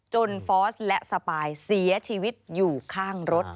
ฟอสและสปายเสียชีวิตอยู่ข้างรถ